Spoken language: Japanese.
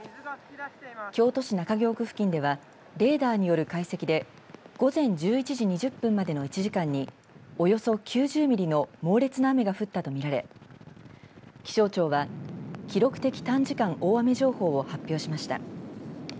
京都市中京区付近ではレーダーによる解析で午前１１時２０分までの１時間におよそ９０ミリの猛烈な雨が降ったと見られ気象庁は記録的短時間大雨情報を発表しました。